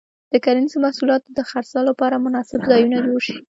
د کرنیزو محصولاتو د خرڅلاو لپاره مناسب ځایونه جوړ شي.